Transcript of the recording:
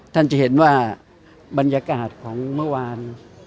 จะเห็นว่าบรรยากาศของเมื่อวาน